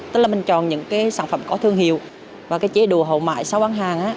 tức là mình chọn những sản phẩm có thương hiệu và chế độ hậu mại sau bán hàng